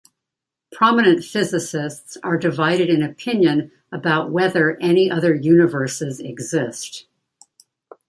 Prominent physicists are divided in opinion about whether any other universes exist.